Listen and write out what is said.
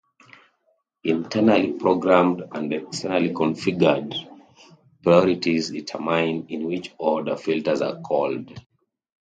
Internally programmed and externally configured priorities determine in which order filters are called.